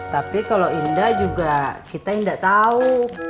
tapi kalo indah juga kita indah tau